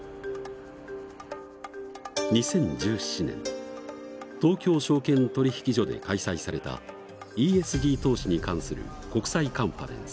２０１７年東京証券取引所で開催されたＥＳＧ投資に関する国際カンファレンス。